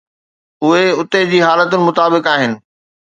اهي اتي جي حالتن مطابق آهن.